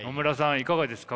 いかがですか？